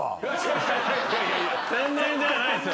天然じゃないっすよ。